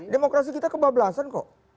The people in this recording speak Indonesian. demokrasi kita kebablasan kok